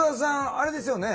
あれですよね？